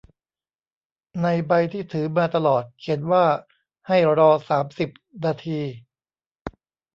ในใบที่ถือมาตลอดเขียนว่าให้รอสามสิบนาที